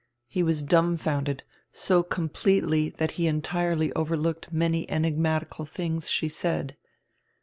He was dumbfounded, so com pletely that he entirely overlooked many enigmatical tilings she said.